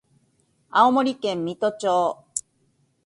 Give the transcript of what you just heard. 青森県三戸町